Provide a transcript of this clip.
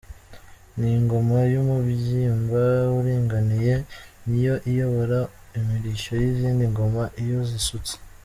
Ni ingoma y’umubyimba uringaniye, niyo iyobora imirishyo y’izindi ngoma, iyo zisutse.